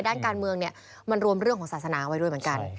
ด้านการเมืองเนี่ยมันรวมเรื่องของศาสนาไว้ด้วยเหมือนกัน